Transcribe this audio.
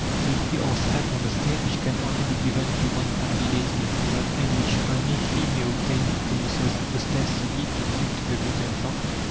Should he ask help of the State, which can only be given to one candidate in a hundred, and which only he may obtain who promises ostensibly to keep to the beaten track?